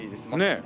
ねえ。